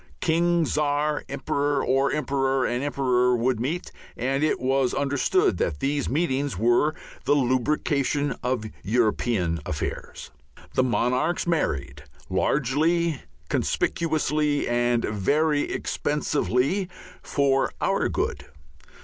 King, Czar and Emperor, or Emperor and Emperor would meet, and it was understood that these meetings were the lubrication of European affairs. The monarchs married largely, conspicuously, and very expensively for our good.